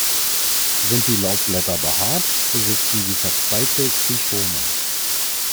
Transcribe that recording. Sind die Laubblätter behaart, besitzen sie verzweigte Trichome.